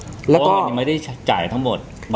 เพราะว่าอันนี้ไม่ได้จ่ายทั้งหมด